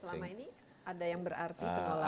selama ini ada yang berarti penolakan